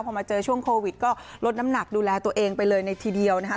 พอมาเจอช่วงโควิดก็ลดน้ำหนักดูแลตัวเองไปเลยเลยทีเดียวนะคะ